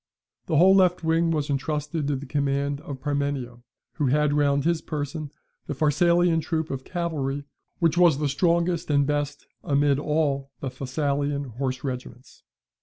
The whole left wing was entrusted to the command of Parmenio, who had round his person the Pharsalian troop of cavalry, which was the strongest and best amid all the Thessalian horse regiments.